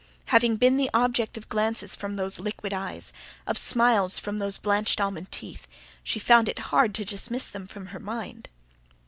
Having been the object of glances from those liquid eyes, of smiles from those blanched almond teeth, she found it hard to dismiss them from her mind.